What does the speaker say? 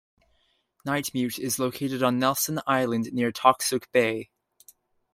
Nightmute is located on Nelson Island near Toksook Bay.